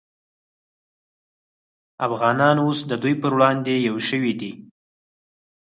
افغانان اوس د دوی پر وړاندې یو شوي دي